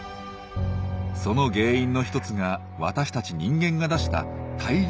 その原因の一つが私たち人間が出した大量のごみ。